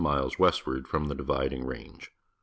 miles westward from the Dividing Range.